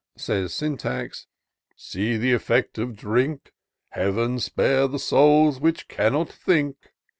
Says Syntax, " See the effect of drink ! Heav'n spare the souls which cannot think